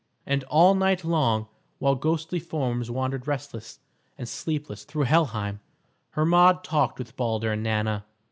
And all night long, while ghostly forms wandered restless and sleepless through Helheim, Hermod talked with Balder and Nanna.